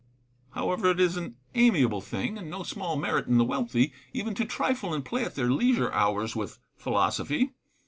However, it is an amiable thing, and no small merit in the wealthy, even to trifle and play at their leisure hours with philosophy.